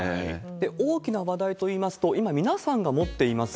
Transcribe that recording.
大きな話題といいますと、今、皆さんが持っています